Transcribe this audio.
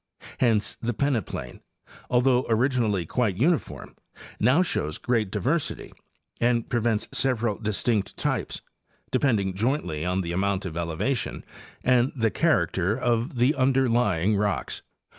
Hence the peneplain, although originally quite uniform, now shows great diversity and presents several distinct types, depending jointly on the amount of elevation and the character of the underlying rocks.